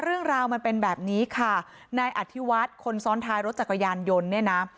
เรื่องราวมันเป็นแบบนี้ค่ะนายอธิวัฒน์คนซ้อนท้ายรถจักรยานยนต์เนี่ยนะ